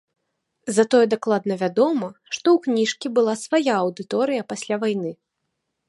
Затое дакладна вядома, што ў кніжкі была свая аўдыторыя пасля вайны.